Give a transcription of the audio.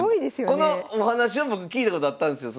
このお話は僕聞いたことあったんですよ。